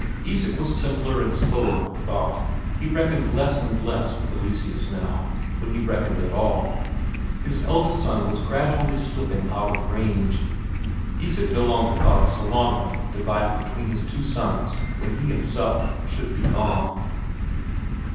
Isak was simpler and slower of thought; he reckoned less and less with Eleseus now, when he reckoned at all; his eldest son was gradually slipping out of range. Isak no longer thought of Sellanraa divided between his two sons when he himself should be gone.